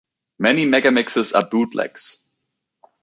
Many megamixes are bootlegs.